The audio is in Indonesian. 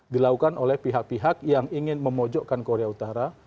dilakukan oleh pihak pihak yang ingin memojokkan korea utara